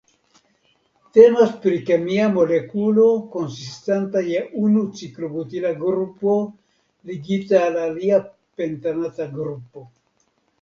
Temas pri kemia molekulo konsistanta je unu ciklobutila grupo ligita al alia pentanata grupo.